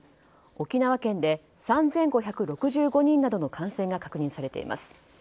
沖縄県で３５６５人などの感染が確認されています。